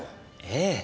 ええ。